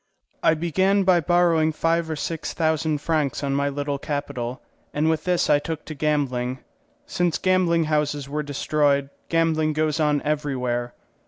I began by borrowing five or six thousand francs on my little capital, and with this I took to gambling. Since gambling houses were destroyed gambling goes on everywhere.